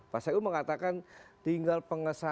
pak syekhu mengatakan tinggal pengesantaran